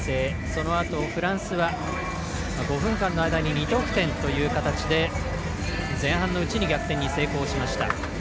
そのあと、フランスは５分間の間に２得点という形で前半のうちに逆転に成功しました。